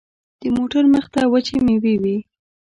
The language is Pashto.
د موټر مخته وچې مېوې وې.